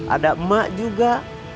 ada emak juga